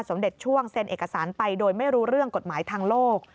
สมเด็จช่วงเซ็นเอกสารไปโดยไม่รู้เรื่องกฎหมายทางโลก